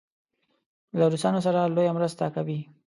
له روسانو سره لویه مرسته کوي.